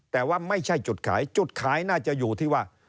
แต่ว่าไม่ใช่จุดขายจุดขายน่าจะอยู่ที่ว่า